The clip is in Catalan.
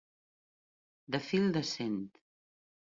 De fil de cent.